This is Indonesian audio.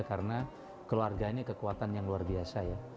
karena keluarganya kekuatan yang luar biasa ya